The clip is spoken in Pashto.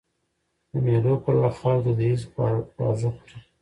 د مېلو پر وخت خلک دودیز خواږه خوري.